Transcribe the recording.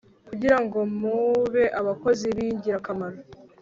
kugira ngo mube abakozi bingirakamaro